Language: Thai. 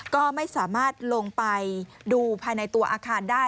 ก็ไม่สามารถลงไปดูภายในตัวอาคารได้